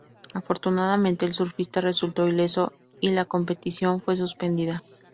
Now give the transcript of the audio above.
Afortunadamente el surfista resultó ileso y la competición fue suspendida.